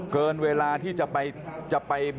เกินเวลาที่จะไป